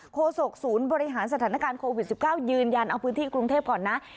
โศกศูนย์บริหารสถานการณ์โควิด๑๙ยืนยันเอาพื้นที่กรุงเทพก่อนนะ